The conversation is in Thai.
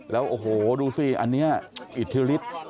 แล้วโอ้โหดูสิอันนี้อิทธิฤทธิ์